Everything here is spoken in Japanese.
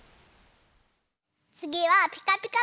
つぎは「ピカピカブ！」